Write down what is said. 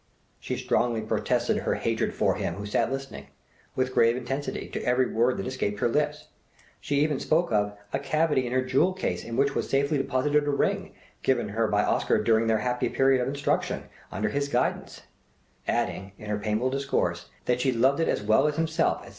She strongly protested her "hatred for him" who sat listening, with grave intensity, to every word that escaped her lips! She even spoke of "a cavity in her jewel case in which was safely deposited a ring, given her by Oscar during her happy period of instruction under his guidance," adding, in her painful discourse, that "she loved it as well as himself," etc.